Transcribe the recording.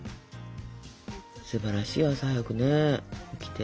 すばらしいよ朝早くね起きて。